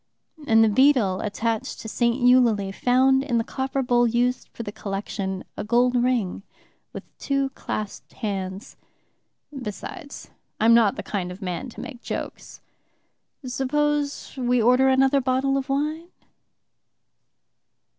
And the beadle attached to St. Eulalie found in the copper bowl used for the collection a gold ring with two clasped hands. Besides, I'm not the kind of man to make jokes. Suppose we order another bottle of wine?..."